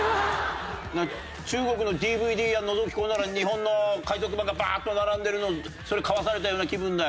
中国のＤＶＤ屋のぞき込んだら日本の海賊版がバーッと並んでるのそれ買わされたような気分だよ。